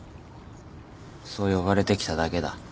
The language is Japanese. そう呼ばれてきただけだ。